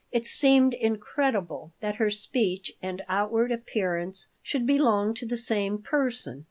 It seemed incredable that her speech and outward appearance should belong to the same person.